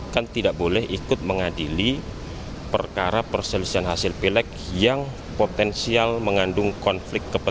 kan tidak boleh ikut mengadili